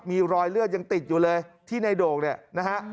มีรอยเลือดยังติดอยู่เลยที่ในโด่งเนี่ยนะฮะ